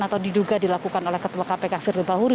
atau diduga dilakukan oleh ketua kpk firl bahuri